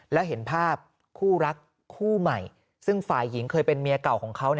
แล้วเห็นภาพคู่รักคู่ใหม่ซึ่งฝ่ายหญิงเคยเป็นเมียเก่าของเขา